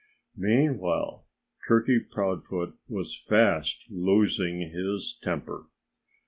Meanwhile Turkey Proudfoot was fast losing his temper.